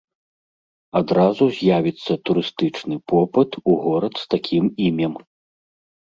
Адразу з'явіцца турыстычны попыт у горад з такім імем.